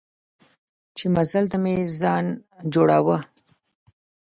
چې مزل ته مې ځان جوړاوه.